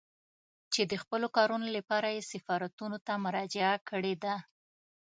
چې د خپلو کارونو لپاره يې سفارتونو ته مراجعه کړې ده.